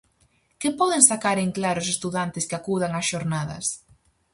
Que poden sacar en claro os estudantes que acudan ás xornadas?